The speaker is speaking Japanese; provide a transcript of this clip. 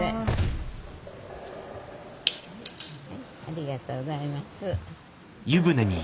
ありがとうございます。